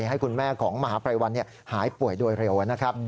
ให้คุณแม่ของมหาภัยวันหายป่วยโดยเร็วนะครับ